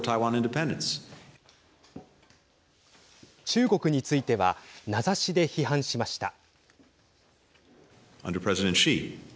中国については名指しで批判しました。